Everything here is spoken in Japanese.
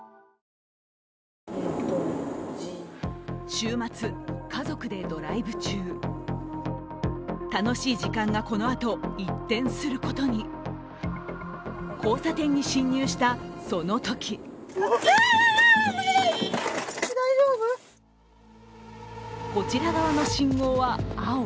週末、家族でドライブ中楽しい時間がこのあと一転することに交差点に進入したそのときこちら側の信号は、青。